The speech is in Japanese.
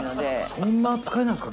そんな扱いなんですか？